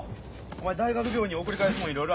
お前大学病院に送り返すもんいろいろあるやろ。